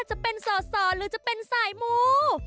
จะเป็นโสดก็จะเป็นสายหมู